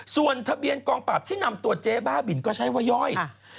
ส่วนทะเบียนกองปราบที่นำตัวเจ๊บ้าบินก็ใช้ว่าย่อย